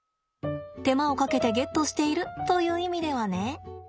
手間をかけてゲットしているという意味ではね。